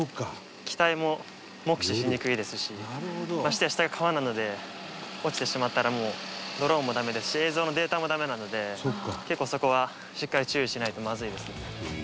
ましてや下が川なので落ちてしまったらもうドローンもダメだし映像のデータもダメなので結構そこはしっかり注意しないとまずいですね。